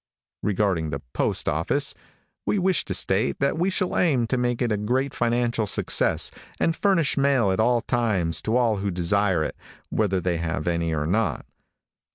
Regarding the postoffice, we wish to state that we shall aim to make it a great financial success, and furnish mail at all times to all who desire it, whether they have any or not.